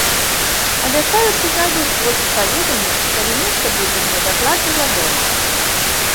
Абяцаю, што знайду спосаб паведаміць, калі нешта будзе мне дакладна вядома.